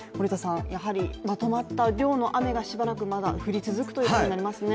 やはりまとまった量の雨がしばらくまだ降り続くということになりそうですね。